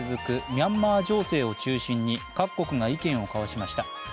ミャンマー情勢を中心に各国が意見を交わしました。